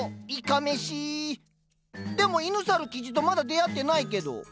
でも犬猿キジとまだ出会ってないけど。